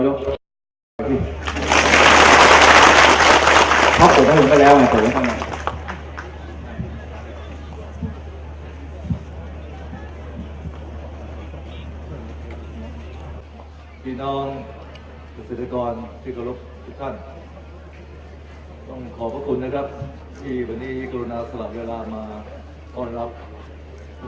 ครับผมต้องขอบพระคุณนะครับที่วันนี้คุณน่าสลับเวลามาตอบดับคุณ๓๖๐